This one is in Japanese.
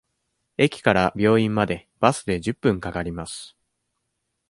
駅から病院までバスで十分かかります。